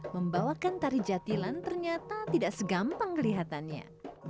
membawakan tari jatilan ternyata tidak segampang kelihatannya